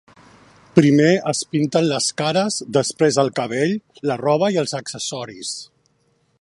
Primer es pinten les cares, després el cabell, la roba i els accessoris.